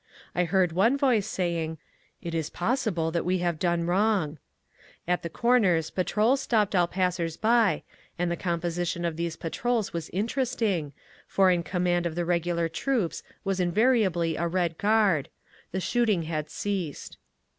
I heard one voice saying: "It is possible that we have done wrong…." At the corners patrols stopped all passersby—and the composition of these patrols was interesting, for in command of the regular troops was invariably a Red Guard…. The shooting had ceased.